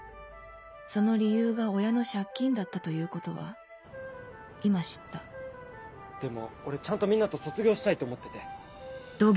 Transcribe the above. その理由が親の借金だったということは今知ったでも俺ちゃんとみんなと卒業したいと思ってて。